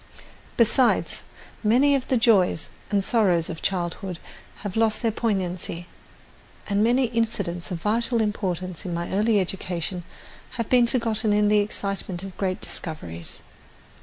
Besides, many of the joys and sorrows of childhood have lost their poignancy; and many incidents of vital importance in my early education have been forgotten in the excitement of great discoveries.